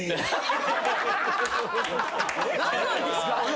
何なんですか！？